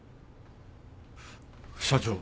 社長。